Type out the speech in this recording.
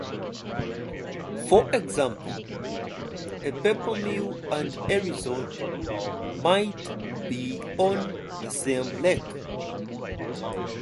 For example, a paper mill and a resort might be on the same lake.